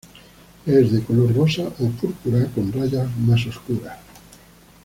Es de color rosa o púrpura con rayas más oscuras.